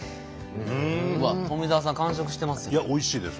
うわっ富澤さん完食してますよ。